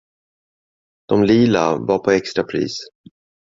Dom lila var på extrapris!